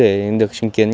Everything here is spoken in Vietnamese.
để được chứng kiến